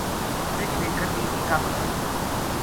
رِچھ نے کھدی اِکابکری